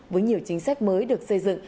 với nhiều chính sách mới được xây dựng